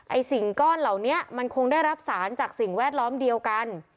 สิ่งก้อนเหล่านี้มันคงได้รับสารจากสิ่งแวดล้อมเดียวกัน